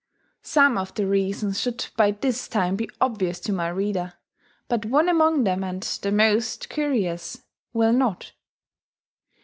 Some of the reasons should by this time be obvious to my reader; but one among them and the most, curious will not.